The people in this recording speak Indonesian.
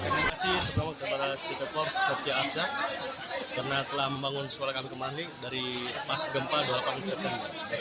terima kasih seberang kepada ct corp dan ct arsa karena telah membangun sekolah kami kembali dari pas gempa dua puluh delapan september